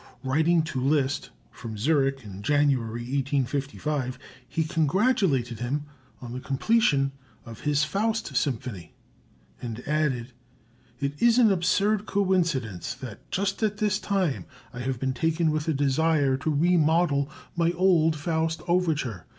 Writing to Liszt from Zurich in January, 1855, he congratulated him on the completion of his "Faust" symphony, and added: "It is an absurd coincidence that just at this time I have been taken with a desire to remodel my old 'Faust' overture.